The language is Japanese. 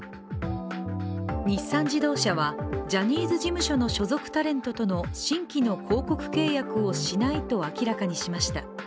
日産自動車はジャニーズ事務所の所属タレントとの新規の広告契約をしないと明らかにしました。